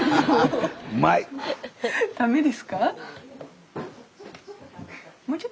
ダメですか？